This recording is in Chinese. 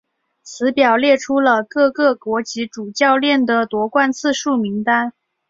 此表列出了各个国籍主教练的夺冠次数名单。